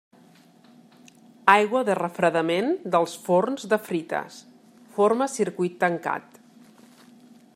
Aigua de refredament dels forns de frites: forma circuit tancat.